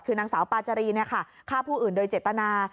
คือนางสาวปาจารีฆ่าผู้อื่นโดยเจตนา